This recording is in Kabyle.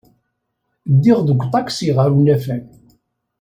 Ddiɣ deg uṭaksi ɣer unafag